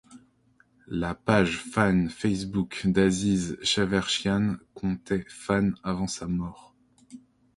La page fan Facebook d'Aziz Shavershian comptait fans avant sa mort.